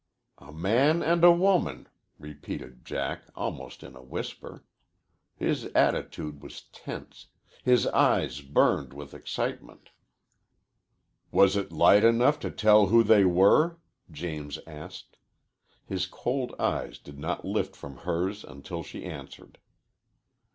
"A man and a woman," repeated Jack, almost in a whisper. His attitude was tense. His eyes burned with excitement. "Was it light enough to tell who they were?" James asked. His cold eyes did not lift from hers until she answered.